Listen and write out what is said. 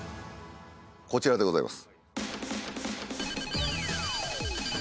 こちらでございます。